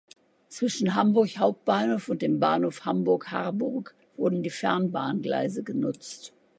Zwischen Hamburg Hauptbahnhof und dem Bahnhof Hamburg-Harburg wurden die Fernbahngleise genutzt.